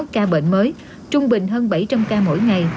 một mươi năm mươi sáu ca bệnh mới trung bình hơn bảy trăm linh ca mỗi ngày